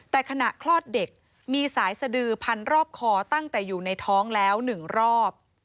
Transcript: แต่ขณะคลอดเด็กมีสายสดือพันรอบคอตั้งแต่อยู่ในท้องแล้ว๑รอบ